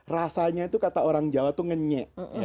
rasanya itu kata orang jawa itu ngenye